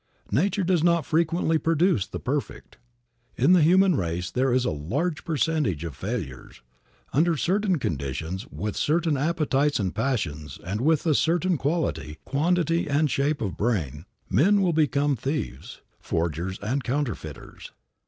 Nature does not frequently produce the perfect. In the human race there is a large percentage of failures. Under certain conditions, with certain appetites and passions and with a certain quality, quantity and shape of brain, men will become thieves, forgers and counterfeiters.